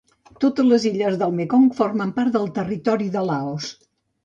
Totes les illes del Mekong formen part del territori de Laos.